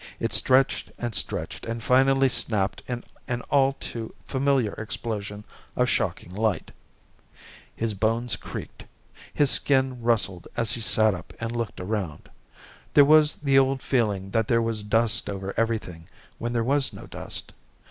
It stretched and stretched and finally snapped in an all too familiar explosion of shocking light. His bones creaked. His skin rustled as he sat up and looked around. There was the old feeling that there was dust over everything when there was no dust.